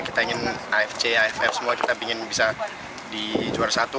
kita ingin afc aff semua kita ingin bisa di juara satu